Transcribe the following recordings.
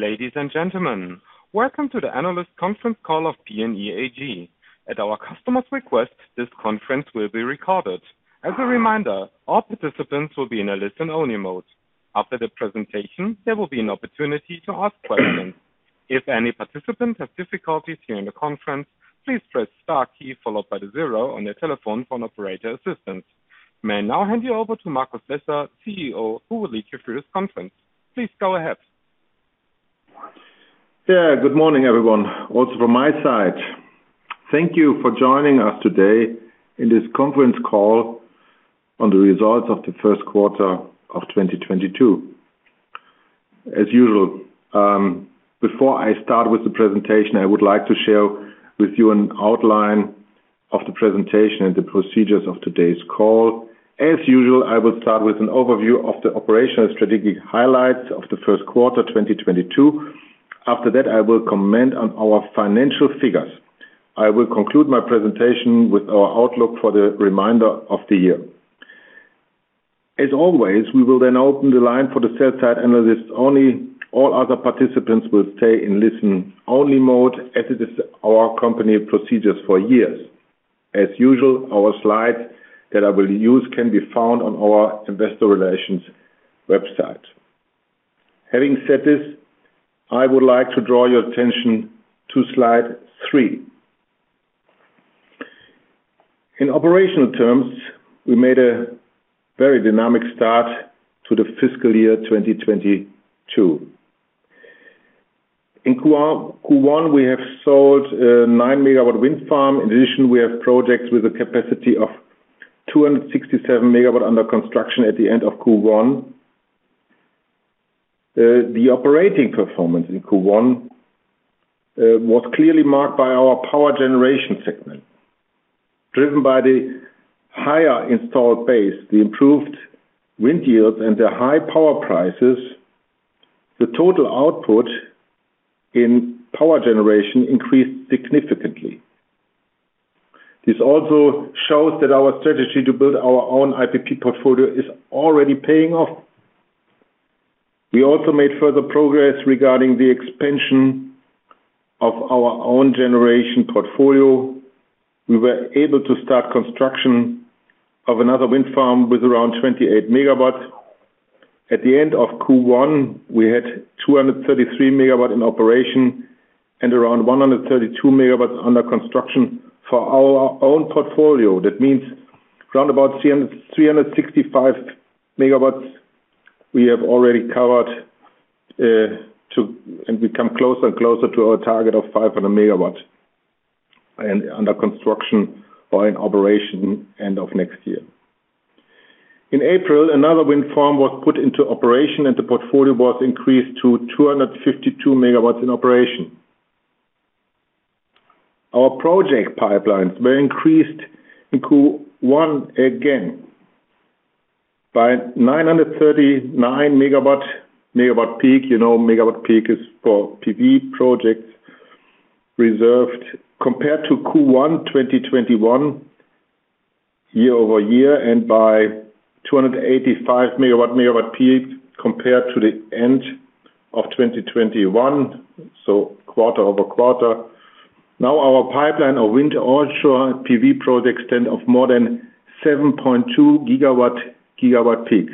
Ladies and gentlemen, welcome to the analyst conference call of PNE AG. At our customer's request, this conference will be recorded. As a reminder, all participants will be in a listen-only mode. After the presentation, there will be an opportunity to ask questions. If any participant has difficulties hearing the conference, please press star key followed by the zero on your telephone for an operator assistance. May I now hand you over to Markus Lesser, CEO, who will lead you through this conference. Please go ahead. Yeah. Good morning, everyone. Also from my side, thank you for joining us today in this conference call on the results of the first quarter of 2022. As usual, before I start with the presentation, I would like to share with you an outline of the presentation and the procedures of today's call. As usual, I will start with an overview of the operational strategic highlights of the first quarter 2022. After that, I will comment on our financial figures. I will conclude my presentation with our outlook for the remainder of the year. As always, we will then open the line for the sell-side analysts only. All other participants will stay in listen-only mode, as it is our company procedures for years. As usual, our slides that I will use can be found on our investor relations website. Having said this, I would like to draw your attention to slide three. In operational terms, we made a very dynamic start to the fiscal year 2022. In Q1, we have sold 9 MW wind farm. In addition, we have projects with a capacity of 267 MW under construction at the end of Q1. The operating performance in Q1 was clearly marked by our power generation segment. Driven by the higher installed base, the improved wind yields and the high power prices, the total output in power generation increased significantly. This also shows that our strategy to build our own IPP portfolio is already paying off. We also made further progress regarding the expansion of our own generation portfolio. We were able to start construction of another wind farm with around 28 MW. At the end of Q1, we had 233 MW in operation and around 132 MW under construction. For our own portfolio, that means around about 365 MW we have already covered, and we come closer and closer to our target of 500 MW and under construction or in operation end of next year. In April, another wind farm was put into operation and the portfolio was increased to 252 MW in operation. Our project pipelines were increased in Q1 again by 939 MW peak. You know, megawatt peak is for PV projects reserved compared to Q1 2021 year-over-year and by 285 MW peak compared to the end of 2021, so quarter-over-quarter. Now, our pipeline of wind onshore PV projects stand of more than 7.2 GW, gigawatt peak.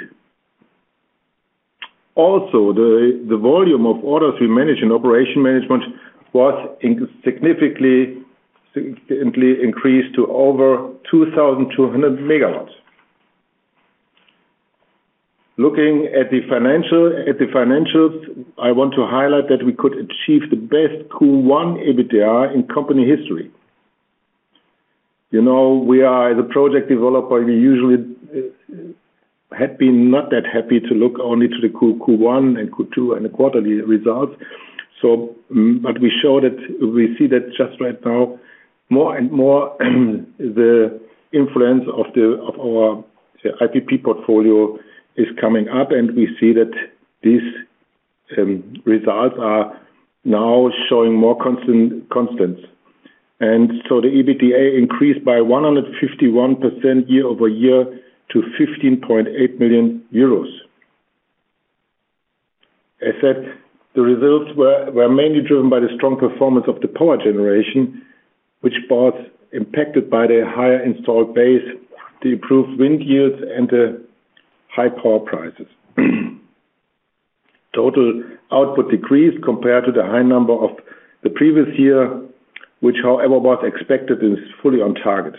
Also, the volume of orders we manage in operation management was significantly increased to over 2,200 MW. Looking at the financials, I want to highlight that we could achieve the best Q1 EBITDA in company history. You know, we are the project developer. We usually had been not that happy to look only to the Q1 and Q2 and the quarterly results. We see that just right now, more and more the influence of our, say, IPP portfolio is coming up, and we see that these results are now showing more constant. The EBITDA increased by 151% year-over-year to EUR 15.8 million. As said, the results were mainly driven by the strong performance of the power generation, which was impacted by the higher installed base, the improved wind yields and the high power prices. Total output decreased compared to the high number of the previous year, which, however, was expected and is fully on target.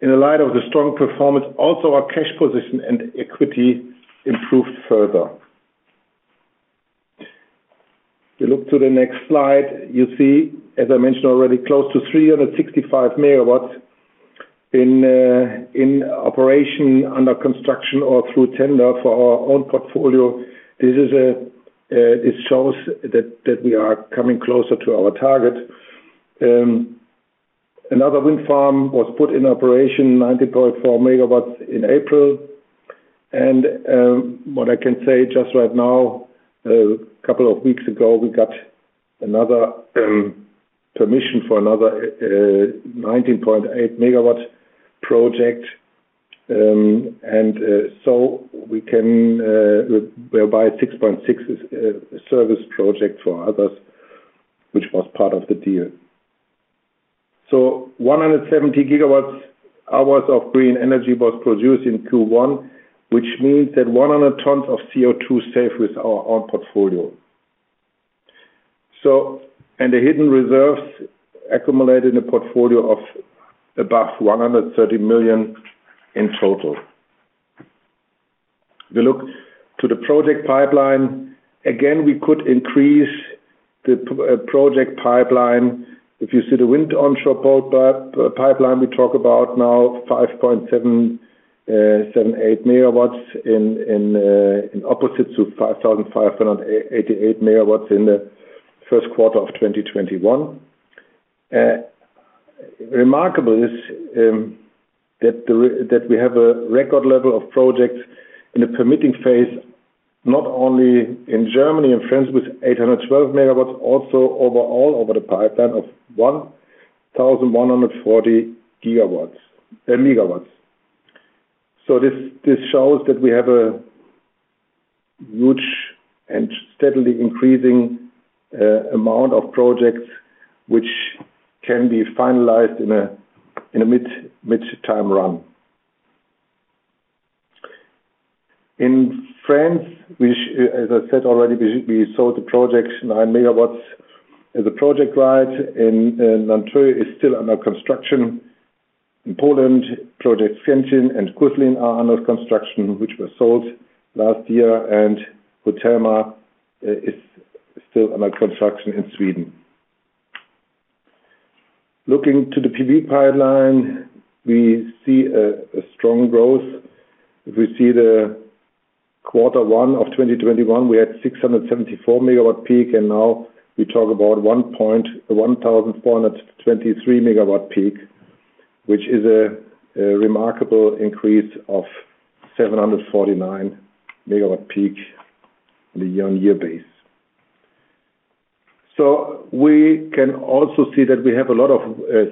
In the light of the strong performance, also our cash position and equity improved further. If you look to the next slide, you see, as I mentioned already, close to 365 MW in operation under construction or through tender for our own portfolio. This is, it shows that we are coming closer to our target. Another wind farm was put in operation, 90.4 MW in April. What I can say just right now, a couple of weeks ago, we got another permission for another 19.8 MW Project, and we can whereby 6.6 is a service project for others, which was part of the deal. 170 GWh of green energy was produced in Q1, which means that 100 tons of CO2 saved with our own portfolio. The hidden reserves accumulated a portfolio of above 130 million in total. We look to the project pipeline. Again, we could increase the project pipeline. If you see the wind onshore pipeline, we talk about now 577.8 MW as opposed to 5,588 MW in the first quarter of 2021. Remarkable is that we have a record level of projects in the permitting phase, not only in Germany and France with 812 MW, also overall over the pipeline of 1,140 MW. This shows that we have a huge and steadily increasing amount of projects which can be finalized in a medium-term run. In France, which, as I said already, we sold the project 9 MW as a project right, and Nanteuil is still under construction. In Poland, Project Świeszyno and Koszalin are under construction, which were sold last year, and Utmåla is still under construction in Sweden. Looking to the PV pipeline, we see a strong growth. If we see quarter one of 2021, we had 674 MW peak, and now we talk about 1,423 MW peak, which is a remarkable increase of 749 MW peak on a year-on-year basis. We can also see that we have a lot of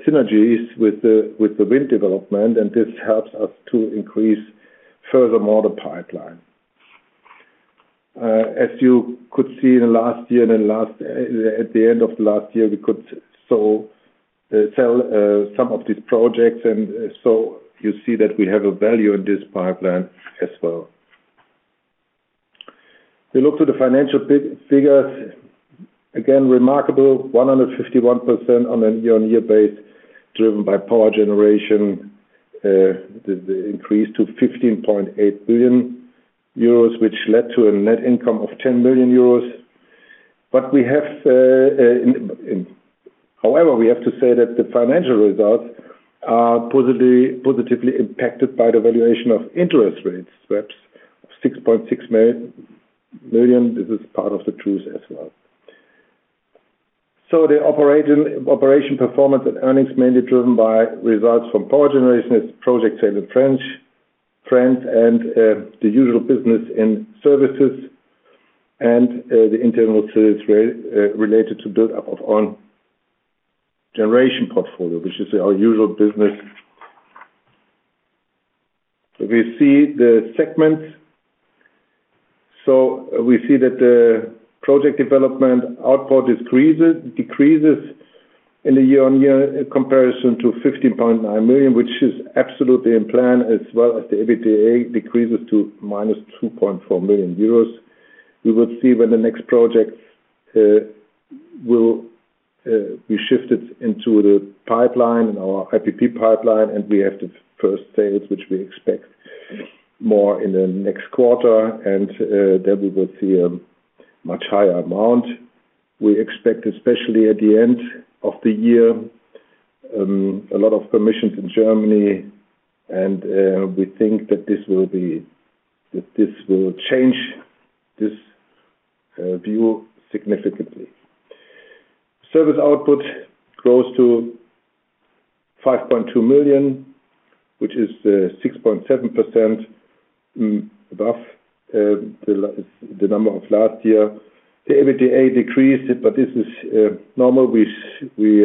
synergies with the wind development, and this helps us to increase furthermore the pipeline. As you could see in the last year, at the end of last year, we could sell some of these projects, and you see that we have a value in this pipeline as well. We look to the financial figures. Again, remarkable, 151% on a year-on-year basis, driven by power generation, the increase to 15.8 million euros, which led to a net income of 10 million euros. However, we have to say that the financial results are positively impacted by the valuation of interest rates, perhaps 6.6 million. This is part of the truth as well. The operating performance and earnings mainly driven by results from power generation, project sale in France and the usual business in services and the internal services related to build-up of own generation portfolio, which is our usual business. We see the segments. We see that the project development output decreases in a year-on-year comparison to 15.9 million, which is absolutely in plan, as well as the EBITDA decreases to -2.4 million euros. We will see when the next projects will be shifted into the pipeline, in our IPP pipeline, and we have the first sales, which we expect more in the next quarter and then we will see a much higher amount. We expect, especially at the end of the year, a lot of permissions in Germany and we think that this will change this view significantly. Service output grows to 5.2 million, which is 6.7% above the number of last year. The EBITDA decreased, but this is normal. We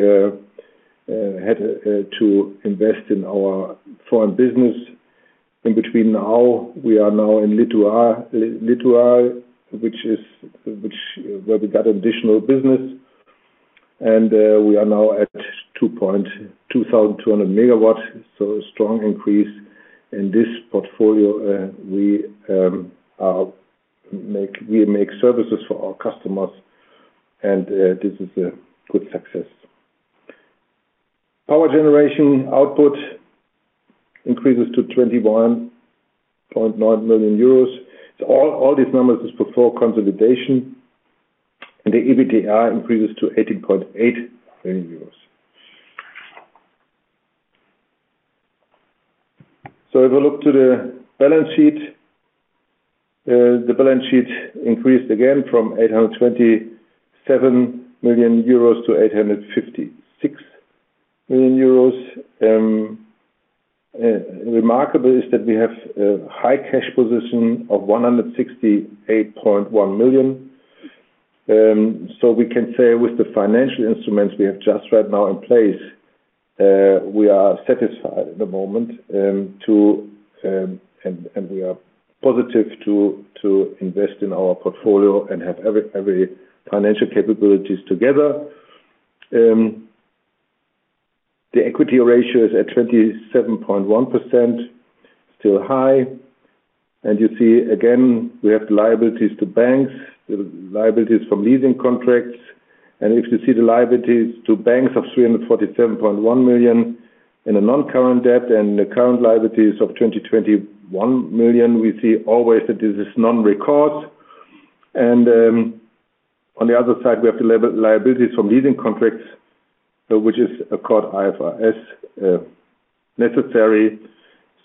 had to invest in our foreign business. Now we are in Lithuania, where we got additional business. We are now at 2,200 MW, so a strong increase in this portfolio. We make services for our customers and this is a good success. Power generation output increases to 21.9 million euros. All these numbers is before consolidation, and the EBITDA increases to 18.8 million euros. If we look to the balance sheet, the balance sheet increased again from 827 million euros to 856 million euros. Remarkable is that we have a high cash position of 168.1 million. So we can say with the financial instruments we have just right now in place, we are satisfied at the moment, and we are positive to invest in our portfolio and have every financial capabilities together. The equity ratio is at 27.1%, still high. You see again, we have liabilities to banks, the liabilities from leasing contracts. If you see the liabilities to banks of 347.1 million in a non-current debt and the current liabilities of 21 million, we see always that this is non-recourse. On the other side, we have liabilities from leasing contracts, which is of course IFRS necessary,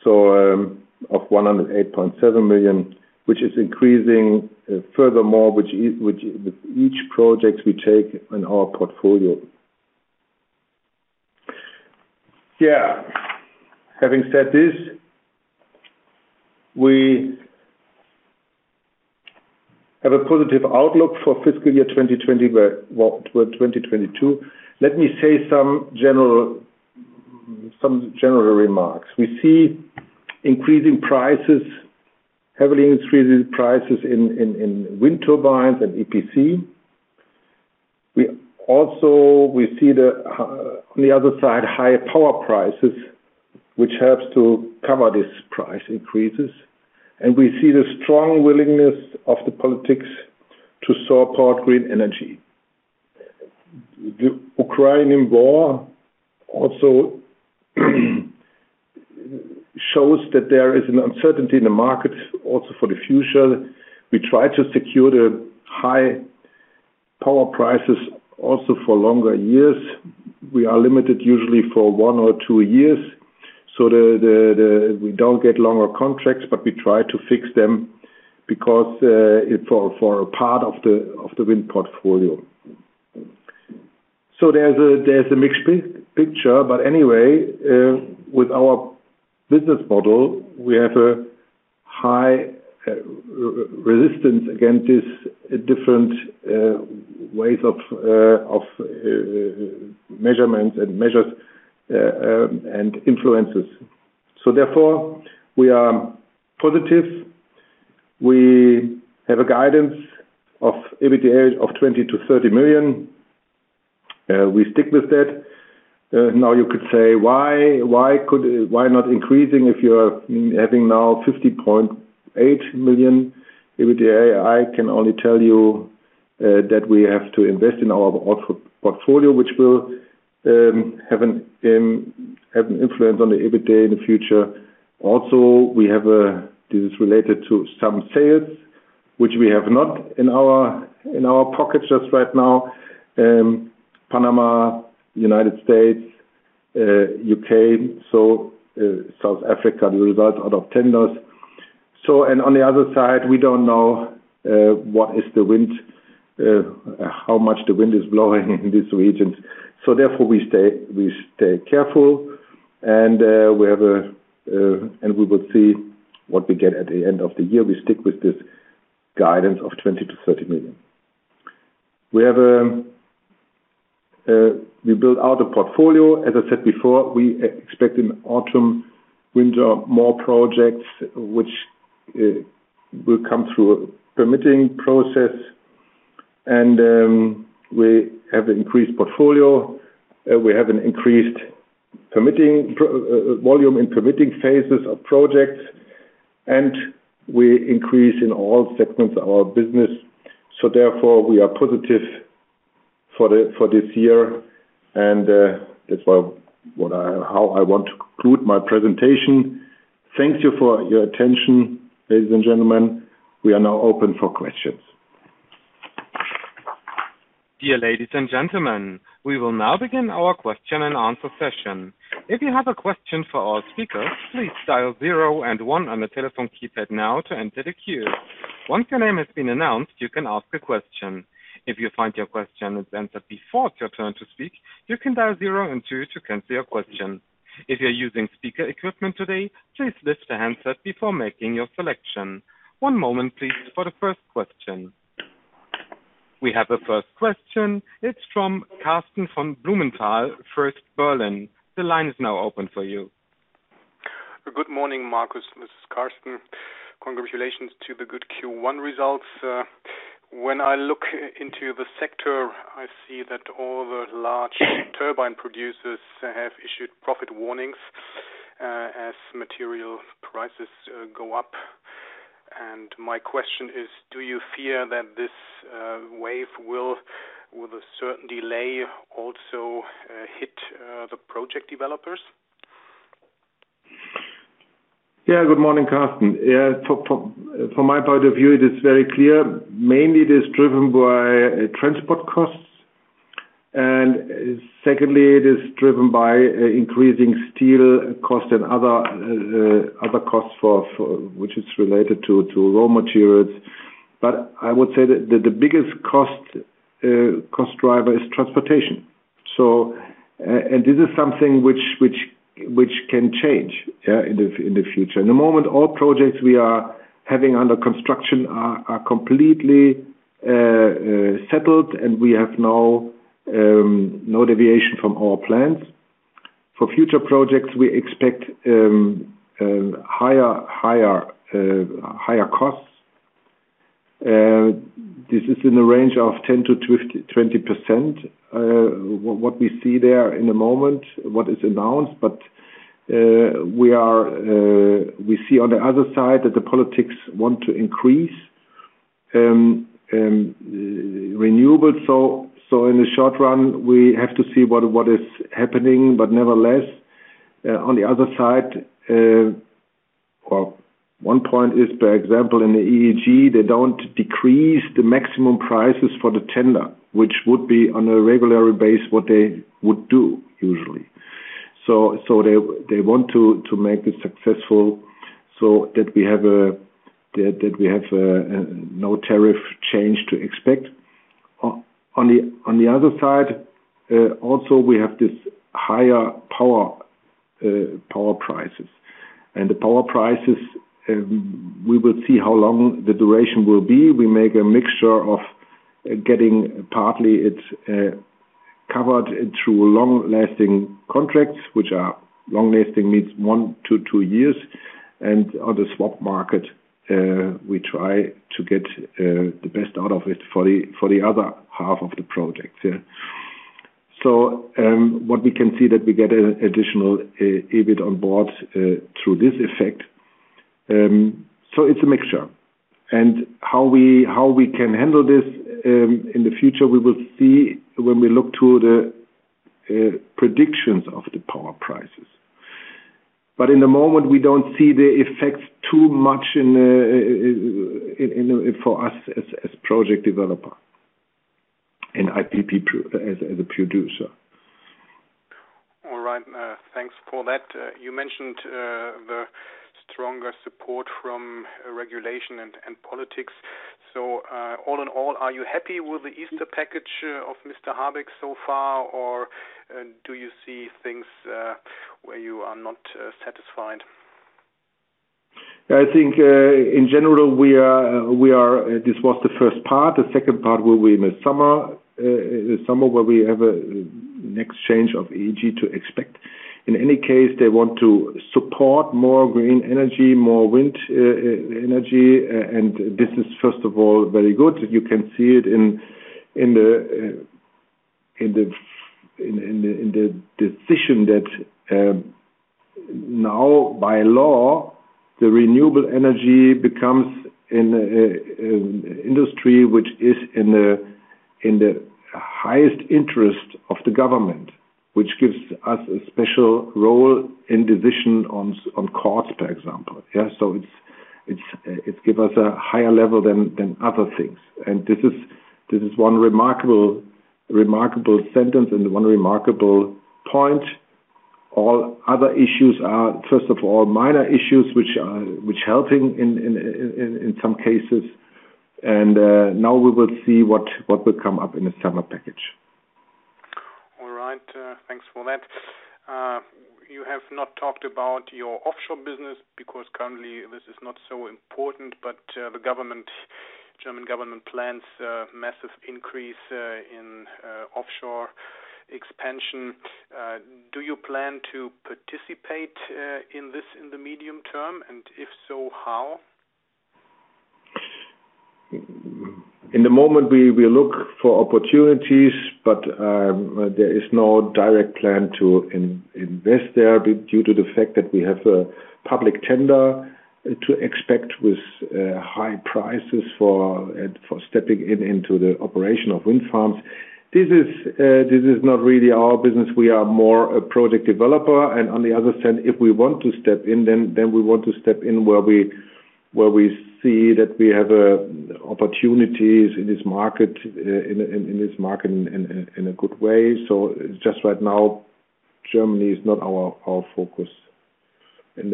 so of 108.7 million, which is increasing furthermore with each project we take in our portfolio. Yeah. Having said this, we have a positive outlook for fiscal year 2020, well, toward 2022. Let me say some general remarks. We see increasing prices, heavily increasing prices in wind turbines and EPC. We see on the other side, high power prices, which helps to cover these price increases. We see the strong willingness of the politics to support green energy. The Ukrainian war also shows that there is an uncertainty in the market also for the future. We try to secure the high power prices also for longer years. We are limited usually for one or two years. We don't get longer contracts, but we try to fix them because for a part of the wind portfolio. There's a mixed picture. Anyway, with our business model, we have a high resistance against these different ways of measurement and measures, and influences. Therefore, we are positive. We have a guidance of EBITDA of 20 million-30 million. We stick with that. Now you could say why not increasing if you're having now 15.8 million EBITDA. I can only tell you that we have to invest in our portfolio, which will have an influence on the EBITDA in the future. We have this, which is related to some sales which we do not have in our pockets just right now. Panama, United States, U.K., South Africa, the result out of tenders. On the other side, we don't know what the wind is, how much the wind is blowing in these regions. Therefore we stay careful and wait-and-see, and we will see what we get at the end of the year. We stick with this guidance of 20 million-30 million. We're building out a portfolio. As I said before, we expect in autumn, winter, more projects which will come through permitting process. We have increased portfolio, we have an increased permitting volume in permitting phases of projects, and we increase in all segments of our business. Therefore, we are positive for this year. That's how I want to conclude my presentation. Thank you for your attention, ladies and gentlemen. We are now open for questions. Dear ladies and gentlemen, we will now begin our question and answer session. If you have a question for our speakers, please dial zero and one on the telephone keypad now to enter the queue. Once your name has been announced, you can ask a question. If you find your question is answered before it's your turn to speak, you can dial zero and two to cancel your question. If you're using speaker equipment today, please lift the handset before making your selection. One moment please for the first question. We have a first question. It's from Karsten von Blumenthal, First Berlin. The line is now open for you. Good morning, Markus. This is Karsten von Blumenthal. Congratulations to the good Q1 results. When I look into the sector, I see that all the large turbine producers have issued profit warnings, as material prices go up. My question is, do you fear that this wave will, with a certain delay, also hit the project developers? Yeah. Good morning, Karsten. Yeah, from my point of view, it is very clear. Mainly it is driven by transport costs. Secondly, it is driven by increasing steel cost and other costs which is related to raw materials. I would say that the biggest cost driver is transportation. This is something which can change, yeah, in the future. In the moment, all projects we are having under construction are completely settled, and we have no deviation from our plans. For future projects, we expect higher costs. This is in the range of 10%-20%. What we see there in the moment, what is announced, we see on the other side that the politics want to increase renewable. In the short run, we have to see what is happening. Nevertheless, on the other side, well, one point is, for example, in the EEG, they don't decrease the maximum prices for the tender, which would be on a regular basis what they would do usually. They want to make it successful so that we have no tariff change to expect. On the other side, also we have this higher power prices. The power prices, we will see how long the duration will be. We make a mixture of getting it partly covered through long-lasting contracts, which are long-lasting means one to two years. On the swap market, we try to get the best out of it for the other half of the project. What we can see that we get an additional EBIT on board through this effect. It's a mixture. How we can handle this in the future, we will see when we look to the predictions of the power prices. In the moment, we don't see the effects too much in for us as project developer and IPP as a producer. All right. Thanks for that. You mentioned the stronger support from regulation and politics. All in all, are you happy with the Easter Package of Mr. Habeck so far, or do you see things where you are not satisfied? I think in general this was the first part. The second part will be in the summer. In the summer, where we have a next change of EEG to expect. In any case, they want to support more green energy, more wind, energy. This is, first of all, very good. You can see it in the decision that now by law, the renewable energy becomes an industry which is in the highest interest of the government, which gives us a special role and division on costs, for example. Yeah, so it's it give us a higher level than other things. This is one remarkable sentence and one remarkable point. All other issues are, first of all, minor issues which are helping in some cases. Now we will see what will come up in the summer package. All right. Thanks for that. You have not talked about your offshore business because currently this is not so important, but the German government plans a massive increase in offshore expansion. Do you plan to participate in this in the medium term, and if so, how? In the moment, we look for opportunities, but there is no direct plan to invest there due to the fact that we have a public tender to expect with high prices for stepping into the operation of wind farms. This is not really our business. We are more a project developer. On the other hand, if we want to step in, then we want to step in where we see that we have opportunities in this market in a good way. Just right now, Germany is not our focus in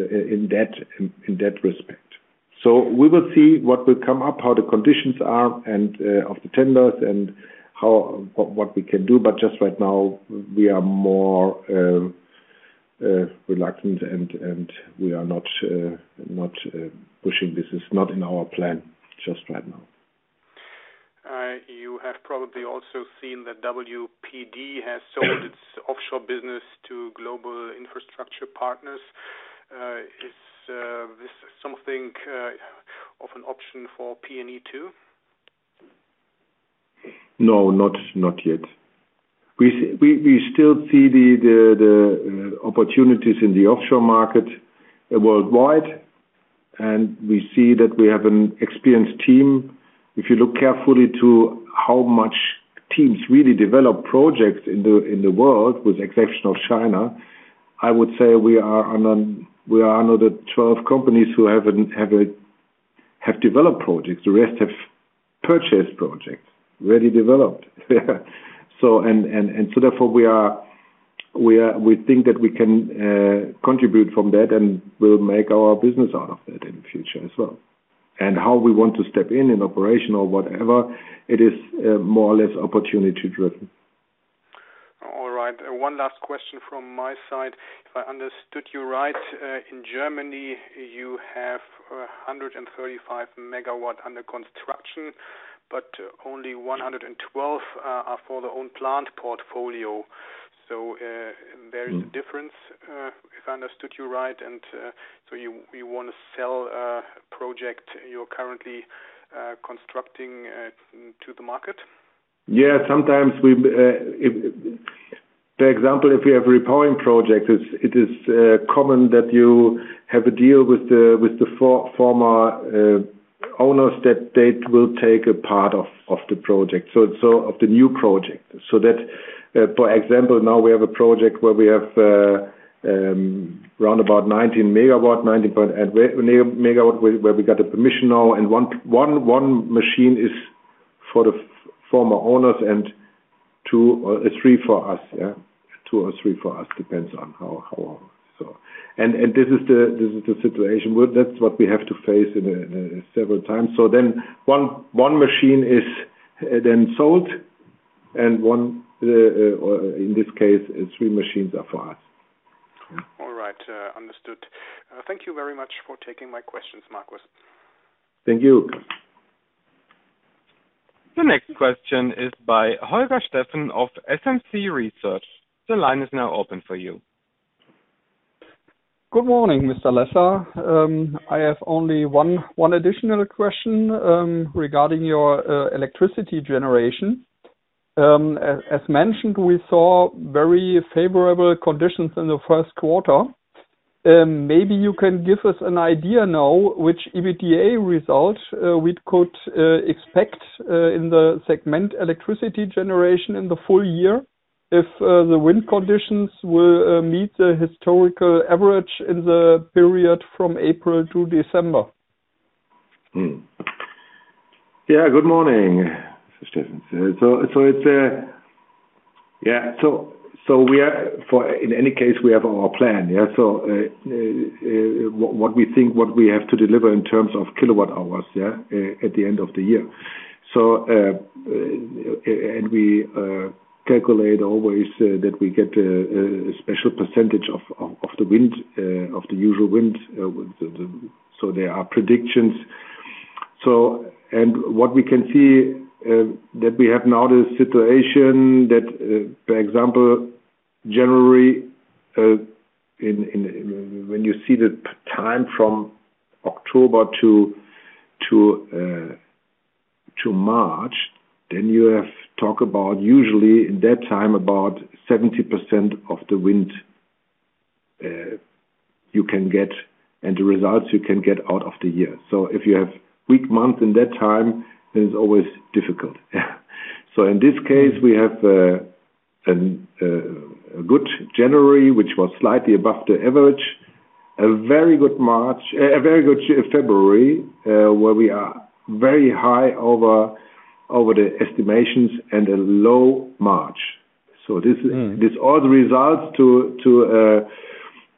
that respect. We will see what will come up, how the conditions are, and of the tenders and how what we can do. Just right now we are more reluctant and we are not pushing. This is not in our plan just right now. You have probably also seen that wpd has sold its offshore business to Global Infrastructure Partners. Is this something of an option for PNE too? No, not yet. We still see the opportunities in the offshore market worldwide, and we see that we have an experienced team. If you look carefully to how many teams really develop projects in the world, with the exception of China, I would say we are one of the 12 companies who have developed projects. The rest have purchased projects, already developed. Therefore we think that we can contribute from that, and we'll make our business out of that in the future as well. How we want to step in in operation or whatever, it is more or less opportunity-driven. All right. One last question from my side. If I understood you right, in Germany you have 135 MW under construction, but only 112 MW are for the own plant portfolio. There is a difference, if I understood you right, and so you wanna sell a project you're currently constructing to the market? Sometimes, the example, if you have a repowering project, it is common that you have a deal with the former owners that they will take a part of the new project. For example, now we have a project where we have around 19.8 MW where we got the permission now, and one machine is for the former owners and two or three for us, yeah. Two or three for us, depends on how. This is the situation. Well, that's what we have to face several times. Then one machine is sold and one, or in this case, three machines are for us. All right. Understood. Thank you very much for taking my questions, Markus. Thank you. The next question is by Holger Steffen of SMC Research. The line is now open for you. Good morning, Mr. Lesser. I have only one additional question regarding your electricity generation. As mentioned, we saw very favorable conditions in the first quarter. Maybe you can give us an idea now which EBITDA result we could expect in the segment electricity generation in the full year if the wind conditions will meet the historical average in the period from April to December? Good morning, Mr. Steffen. In any case, we have our plan. What we think we have to deliver in terms of kilowatt hours at the end of the year. And we calculate always that we get a special percentage of the usual wind. There are predictions. What we can see that we have now the situation that, for example, January. When you see the time from October to March, then you talk about usually in that time about 70% of the wind you can get and the results you can get out of the year. If you have weak month in that time, then it's always difficult. Yeah. In this case we have a good January, which was slightly above the average. A very good February, where we are very high over the estimations and a low March. Mm. This all results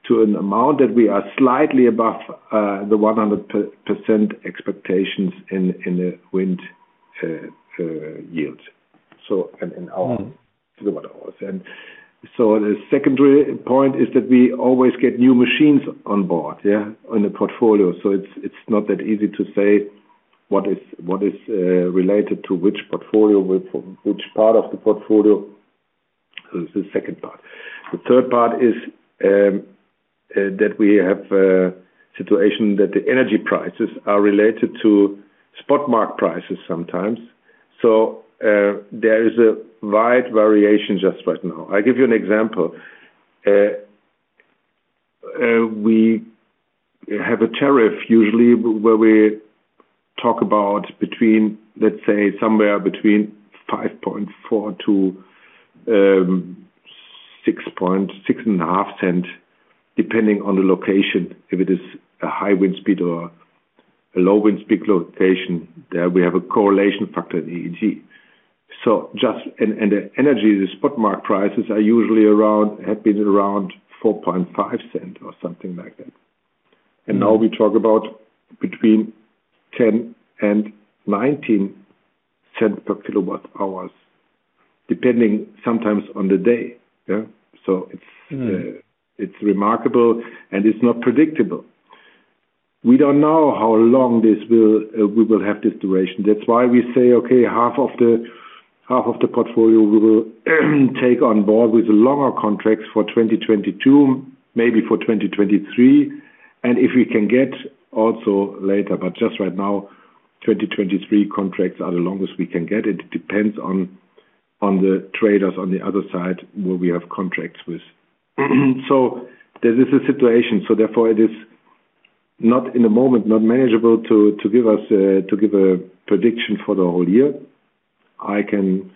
to an amount that we are slightly above the 100% expectations in the wind yields, so and in our- Mm. Kilowatt hours. The secondary point is that we always get new machines on board, yeah, in the portfolio. It's not that easy to say what is related to which part of the portfolio. That's the second part. We have a situation that the energy prices are related to spot market prices sometimes. There is a wide variation just right now. I'll give you an example. We have a tariff usually where we talk about between, let's say somewhere between 0.054-0.065, depending on the location, if it is a high wind speed or a low wind speed location. There we have a correlation factor in EEG. The energy spot market prices are usually around, have been around 0.045 or something like that. Now we talk about between 0.10 and 0.19 per kWh, depending sometimes on the day, yeah. Mm. It's remarkable and it's not predictable. We don't know how long we will have this duration. That's why we say, okay, half of the portfolio we will take on board with longer contracts for 2022, maybe for 2023. If we can get also later, but just right now, 2023 contracts are the longest we can get. It depends on the traders on the other side where we have contracts with. This is the situation. Therefore it is not, in the moment, not manageable to give a prediction for the whole year. I can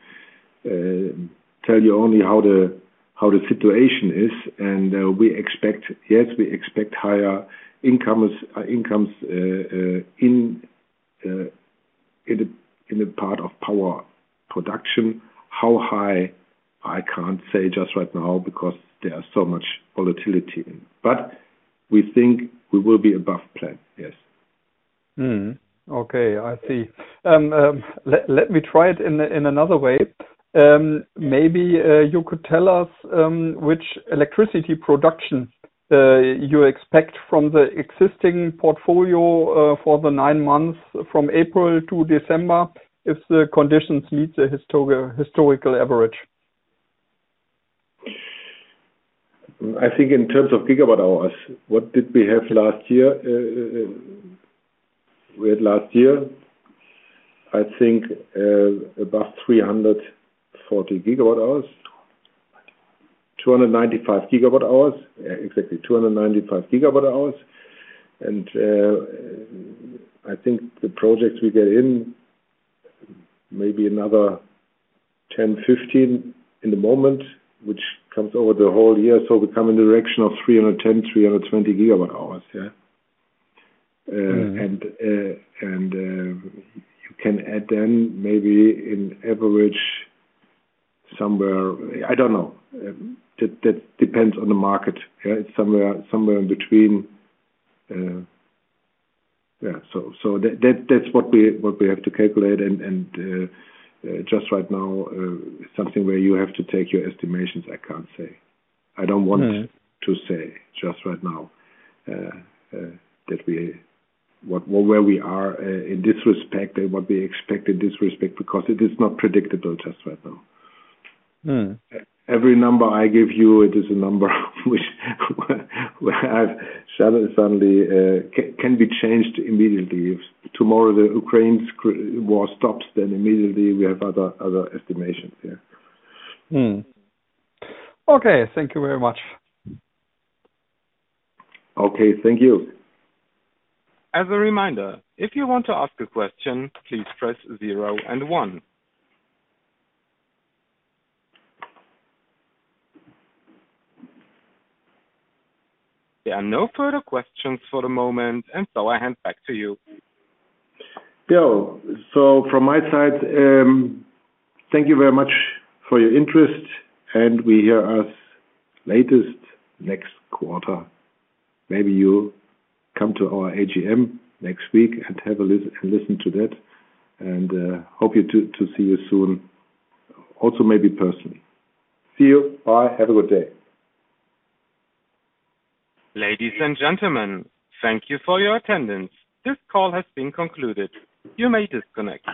tell you only how the situation is. We expect higher incomes in the part of power production. How high? I can't say just right now because there are so much volatility. We think we will be above plan. Okay. I see. Let me try it in another way. Maybe you could tell us which electricity production you expect from the existing portfolio for the nine months from April to December, if the conditions meet the historical average. I think in terms of gigawatt hours, what did we have last year? We had last year, I think, above 340 GWh. 295 GWh. Exactly. 295 GWh. I think the projects we get in maybe another 10-15 at the moment, which comes over the whole year. We come in the direction of 310 GWh-320 GWh. You can add then maybe in average somewhere, I don't know. That depends on the market. It's somewhere in between. That's what we have to calculate. Just right now, something where you have to take your estimations. I can't say. I don't want- Yeah. to say just right now what, where we are in this respect and what we expect in this respect, because it is not predictable just right now. Mm. Every number I give you, it is a number which can be changed immediately. If tomorrow the Ukraine war stops, then immediately we have other estimations. Yeah. Okay. Thank you very much. Okay. Thank you. As a reminder, if you want to ask a question, please press zero and one. There are no further questions for the moment, and so I hand back to you. From my side, thank you very much for your interest, and you'll hear from us latest next quarter. Maybe you come to our AGM next week and listen to that and hope to see you soon also, maybe personally. See you. Bye. Have a good day. Ladies and gentlemen, thank you for your attendance. This call has been concluded. You may disconnect.